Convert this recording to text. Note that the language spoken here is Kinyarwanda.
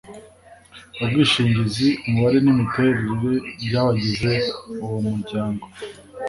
ubwishingizi Umubare nimiterere byabagize uwo muryango